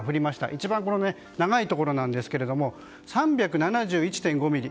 一番長いところですが３７１．５ミリ。